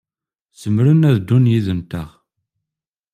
Zemren ad ddun yid-nteɣ.